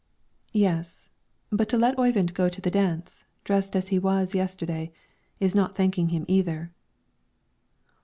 "Yes, but to let Oyvind go to the dance, dressed as he was yesterday, is not thanking Him either."